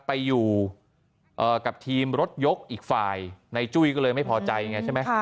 ไปอยู่กับทีมรถยกอีกฝ่ายในจุ้ยก็เลยไม่พอใจไงใช่ไหม